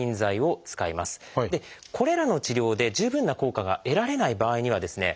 これらの治療で十分な効果が得られない場合にはですね